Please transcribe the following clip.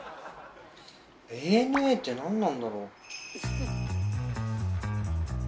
「ＡＮＡ」って何なんだろう？